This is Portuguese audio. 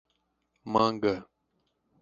Manga